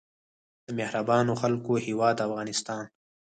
د مهربانو خلکو هیواد افغانستان.